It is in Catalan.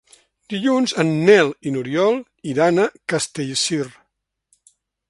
Dilluns en Nel i n'Oriol iran a Castellcir.